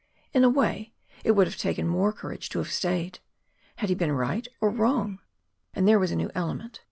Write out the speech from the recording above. In a way, it would have taken more courage to have stayed. Had he been right or wrong? And there was a new element.